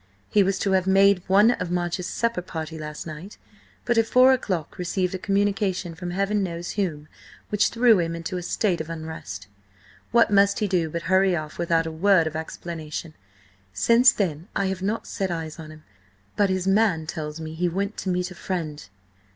"He was to have made one of March's supper party last night, but at four o'clock received a communication from heaven knows whom which threw him into a state of unrest. What must he do but hurry off without a word of explanation. Since then I have not set eyes on him, but his man tells me he went to meet a friend.